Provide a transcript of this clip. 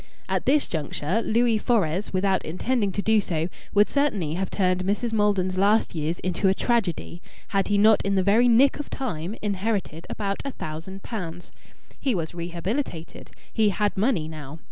At this juncture Louis Fores, without intending to do so, would certainly have turned Mrs. Maldon's last years into a tragedy, had he not in the very nick of time inherited about a thousand pounds. He was rehabilitated. He "had money" now.